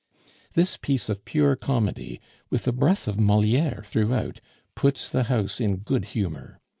This piece of pure comedy, with a breath of Moliere throughout, puts the house in good humor.